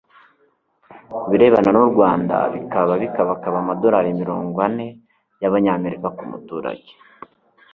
ku birebana n'u rwanda, bikaba bikabakaba amadolari mirongo ane y'abanyamerika ku muturage